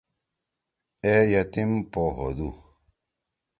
اے یتیم پو ہودُو۔